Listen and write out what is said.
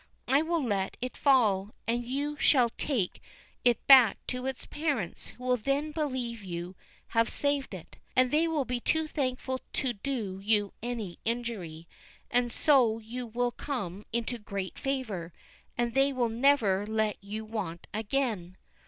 I will let it fall, and you shall take it back to its parents, who will then believe you have saved it, and they will be too thankful to do you any injury; and so you will come into great favor, and they will never let you want again."